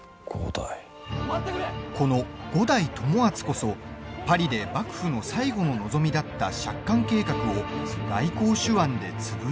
この五代友厚こそパリで幕府の最後の望みだった借款計画を外交手腕で潰した人物。